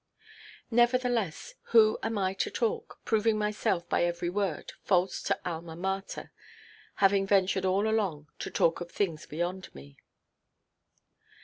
Nevertheless, who am I to talk, proving myself, by every word, false to Alma Mater, having ventured all along to talk of things beyond me?